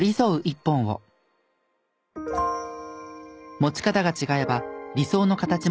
持ち方が違えば理想の形も違うはず。